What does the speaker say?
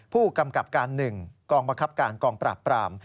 ผู้กำกับการ๑กองบังคับการกองปราบปราม